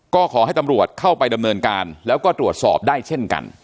ก็ขอให้ตำรวจเข้าไปดำเนินการแล้วก็ตรวจสอบได้เช่นกัน